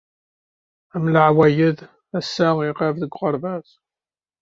Am leɛwayed, ass-a iɣab deg uɣerbaz.